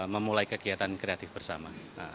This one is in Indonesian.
memulai kegiatan kreatif bersama